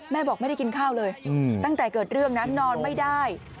บอกไม่ได้กินข้าวเลยตั้งแต่เกิดเรื่องนะนอนไม่ได้